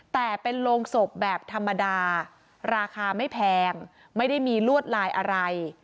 แต่เป็นโรงศพแบบธรรมดาราคาไม่แพงไม่ได้มีลวดลายอะไร